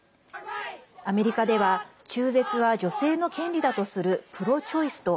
アメリカでは中絶は女性の権利だとするプロ・チョイスと